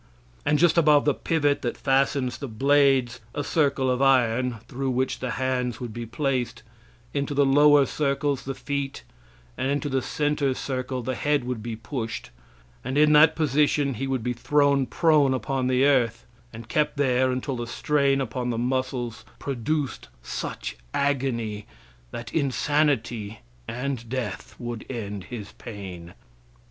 And just above the pivot that fastens the blades, a circle of iron through which the hands would be placed, into the lower circles the feet, and into the center circle the head would be pushed, and in that position he would be thrown prone upon the earth, and kept there until the strain upon the muscles produced such agony that insanity and death would end his pain.